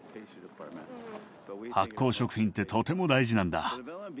発酵食品ってとても大事なんだ。